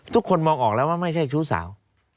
ทุกคนมองออกแล้วว่าไม่ใช่ชู้สาว